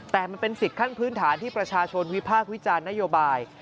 แต่มันเป็นสิทธิ์ขั้นพื้นฐานที่ประชาชนวิพากษ์วิจารณ์นโยบาย